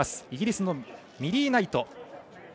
イギリスのミリー・ナイト。